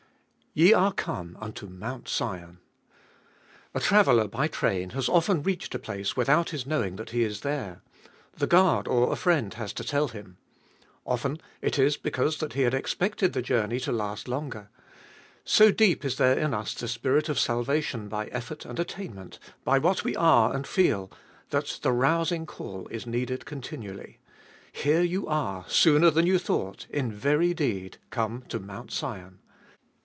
Ye are come unto Mount Sion. A traveller by train has often reached a place without his knowing that he is there. The guard or a friend has to tell him. Often it is because that he had expected the journey to last longer. So deep is there in us the spirit of salvation by effort and attainment, by what we are and feel, that the rousing call is needed continually. Here you are, sooner than you thought, in very deed, come to Mount Sion